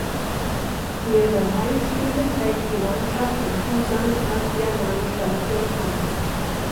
Ihre Heimspiele trägt die Mannschaft im Busan-Asia-Main-Stadion aus.